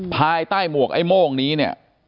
ภายใต้หมวกไอ้โม่งนี้เนี่ย